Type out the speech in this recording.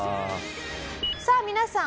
さあ皆さん